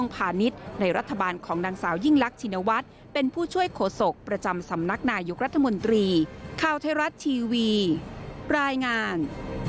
ปลายงาน